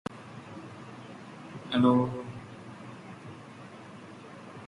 The land is protected by an elaborate network of dikes and levees.